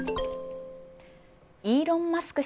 イーロン・マスク